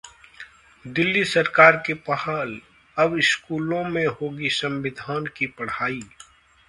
दिल्ली सरकार की पहल, अब स्कूलों में होगी संविधान की पढ़ाई